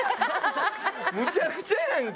むちゃくちゃやんけ！